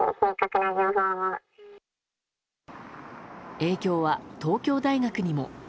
影響は東京大学にも。